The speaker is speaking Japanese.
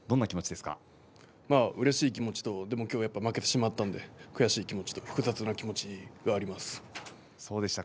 うれしい気持ちと今日、負けてしまったんで悔しい気持ちと複雑な気持ちです。